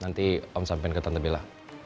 nanti om sampein ke tante bella